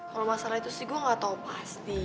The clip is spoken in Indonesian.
kalau masalah itu sih gue gak tau pasti